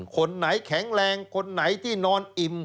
คนไหนแข็งแรงคนไหนที่นอนอิ่ม